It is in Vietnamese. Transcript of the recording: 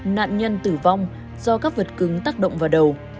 nạn nhân tử vong do các vật cứng tác động vào đầu